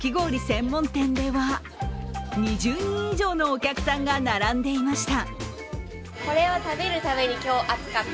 専門店では２０人以上のお客さんが並んでいました。